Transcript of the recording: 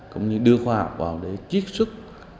cũng như đưa khoa học vào để chiếc xuất